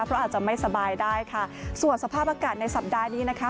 เพราะอาจจะไม่สบายได้ค่ะส่วนสภาพอากาศในสัปดาห์นี้นะคะ